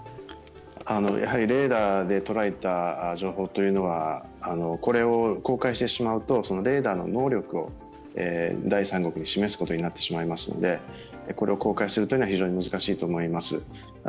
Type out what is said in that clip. やはりレーダーでとらえた情報というのは、これを公開してしまうとレーダーの能力を第三国に示すことになってしまいますのでこれを公開するというのは非常に難しいと思います。